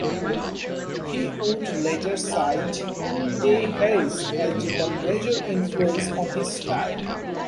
He would later cite De Haes as the major influence on his style.